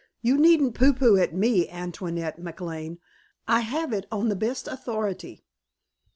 You needn't pooh pooh at me, Antoinette McLane. I have it on the best authority."